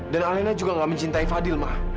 dan alina juga gak mencintai fadil mak